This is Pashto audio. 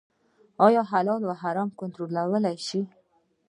آیا د حلال او حرام کنټرول شته؟